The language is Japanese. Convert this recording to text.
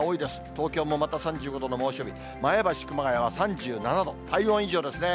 東京もまた３５度の猛暑日、前橋、熊谷は３７度、体温以上ですね。